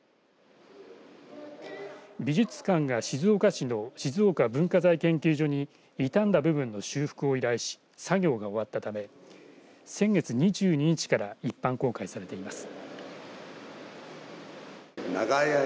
美術館が静岡市の静岡文化財研究所に傷んだ部分の修復を依頼し作業が終わったため先月２２日から一般公開されています。